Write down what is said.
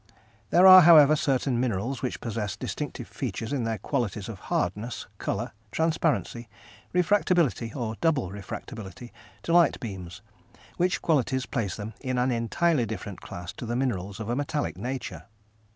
There are, however, certain minerals which possess distinctive features in their qualities of hardness, colour, transparency, refractability or double refractability to light beams, which qualities place them in an entirely different class to the minerals of a metallic nature.